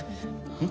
うん。